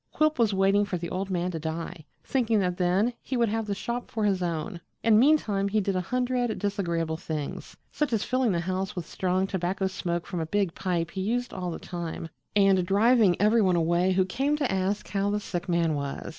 Quilp was waiting for the old man to die, thinking that then he would have the shop for his own, and meantime he did a hundred disagreeable things, such as filling the house with strong tobacco smoke from a big pipe he used all the time and driving every one away who came to ask how the sick man was.